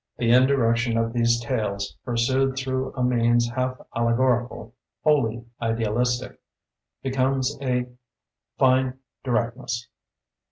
The indirection of these tales, pursued through a means half allegorical, wholly idealistic, becomes a fine direct ness.